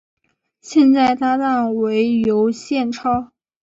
现在搭档为尤宪超。